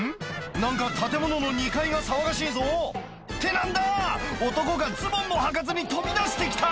何か建物の２階が騒がしいぞって何だ⁉男がズボンもはかずに飛び出してきた！